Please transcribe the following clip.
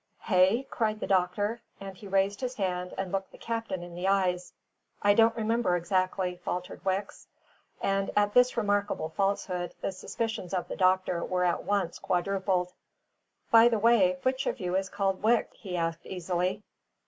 "Hey?" cried the doctor, and he raised his hand and looked the captain in the eyes. "I don't remember exactly," faltered Wicks. And at this remarkable falsehood, the suspicions of the doctor were at once quadrupled. "By the way, which of you is called Wicks?" he asked easily.